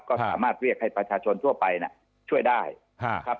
ก็สามารถเรียกให้ประชาชนทั่วไปช่วยได้นะครับ